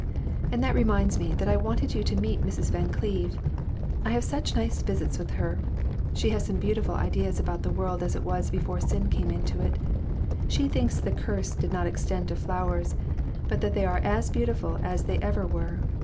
And that reminds me that I wanted you to meet Mrs. Van Cleve. I have such nice visits with her. She has some beautiful ideas about the world as it was before sin came into it. She thinks the curse did not extend to flowers, but that they are as beautiful as they ever were.